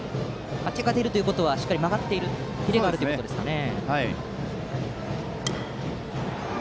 手が出るということはしっかり曲がっているキレがあるということですね。